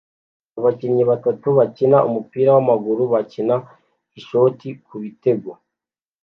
Abakinnyi batatu bakina umupira wamaguru bakina ishoti kubitego